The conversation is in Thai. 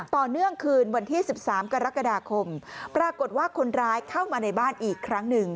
ต่อเนื่องคืนวันที่๑๓กรกฎาคมปรากฏว่าคนร้ายเข้ามาในบ้านอีกครั้งหนึ่ง